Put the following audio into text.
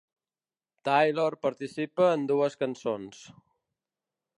Taylor participa en dues cançons.